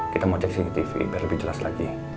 kita mau cek cctv biar lebih jelas lagi